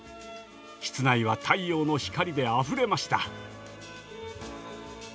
室内は太陽の光であふれました。